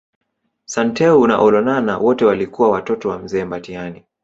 Santeu na Olonana wote walikuwa Watoto wa Mzee Mbatiany